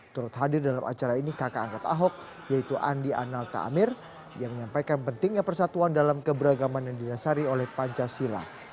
turut hadir dalam acara ini kakak angkat ahok yaitu andi analta amir yang menyampaikan pentingnya persatuan dalam keberagaman yang didasari oleh pancasila